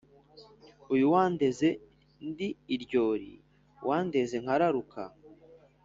Uyu wandaze ndi iryori Wandenze nkararuka